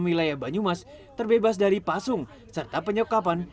wilayah banyumas terbebas dari pasung serta penyekapan